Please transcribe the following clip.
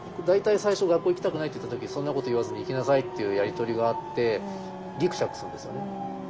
大体最初「学校行きたくない」って言った時「そんなこと言わずに行きなさい」っていうやり取りがあってぎくしゃくするんですよね。